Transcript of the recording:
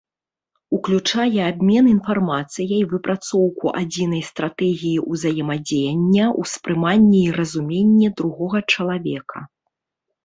Уключае абмен інфармацыяй, выпрацоўку адзінай стратэгіі ўзаемадзеяння, успрыманне і разуменне другога чалавека.